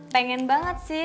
pengen banget sih